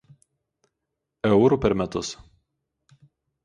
Eu per metus.